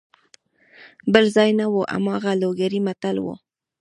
بل ځای نه وو هماغه لوګری متل وو.